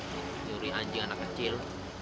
pencuri anjing anak kecil